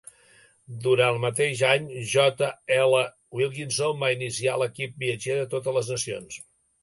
Durant el mateix any, J. L. Wilkinson va iniciar l'equip viatger de totes les nacions.